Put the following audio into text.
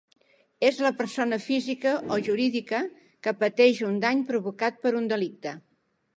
És la persona física o jurídica que pateix un dany provocat per un delicte.